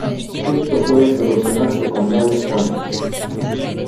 Esto puede solucionarse con varias fuentes.